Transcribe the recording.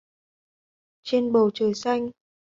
Trên bầu trời xanh